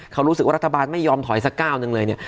เขารู้สึกว่ารัฐบาลไม่ยอมถอยสักก้าวหนึ่งเลยเนี่ย